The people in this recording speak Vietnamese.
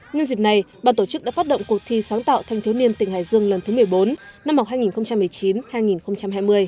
nhân dịp này ban tổ chức đã phát động cuộc thi sáng tạo thanh thiếu niên tỉnh hải dương lần thứ một mươi bốn năm học hai nghìn một mươi chín hai nghìn hai mươi